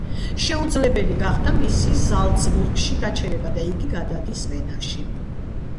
შეუძლებელი გახდა მისი ზალცბურგში გაჩერება და იგი გადადის ვენაში.